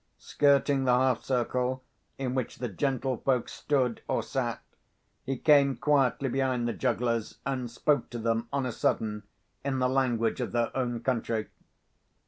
Skirting the half circle in which the gentlefolks stood or sat, he came quietly behind the jugglers and spoke to them on a sudden in the language of their own country.